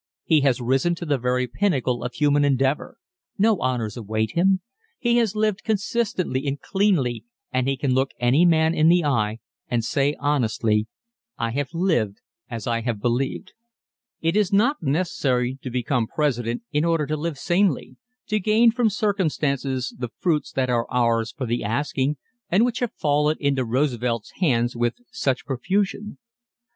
He has risen to the very pinnacle of human endeavor ... no honors await him. He has lived consistently and cleanly and he can look any man in the eye and say honestly: "I have lived as I have believed." It is not necessary to become President in order to live sanely, to gain from circumstances the fruits that are ours for the asking and which have fallen into Roosevelt's hands with such profusion.